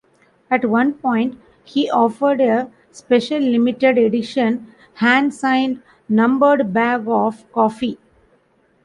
At one point, he offered a Special Limited Edition hand-signed numbered bag of coffee.